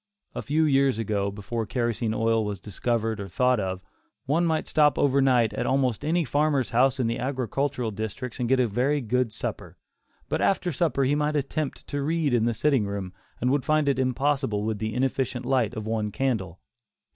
A few years ago, before kerosene oil was discovered or thought of, one might stop over night at almost any farmer's house in the agricultural districts and get a very good supper, but after supper he might attempt to read in the sitting room, and would find it impossible with the inefficient light of one candle.